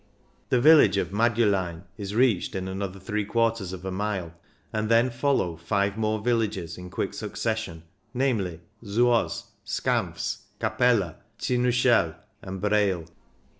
The village of Madulein is reached in another three quarters of a mile, and then follow five more villages in quick succession, namely: Zuoz, Scanfs, Capella, Cinuschel, and Brail.